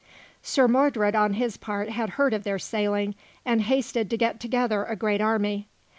Sir Mordred, on his part, had heard of their sailing, and hasted to get together a great army.